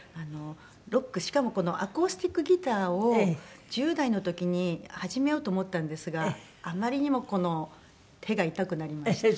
ロックしかもアコースティックギターを１０代の時に始めようと思ったんですがあまりにもこの手が痛くなりまして。